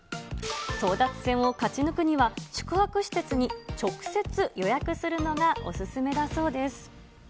争奪戦を勝ち抜くには、宿泊施設に直接、予約するのがお勧めだそうです。